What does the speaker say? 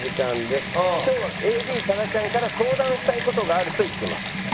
今日はＡＤ多田ちゃんから相談したい事があると言ってます。